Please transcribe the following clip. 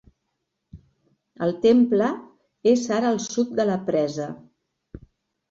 El temple és ara al sud de la presa.